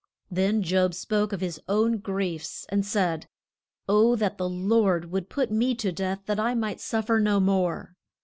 Then Job spoke of his own griefs, and said: O, that the Lord would put me to death that I might suf fer no more.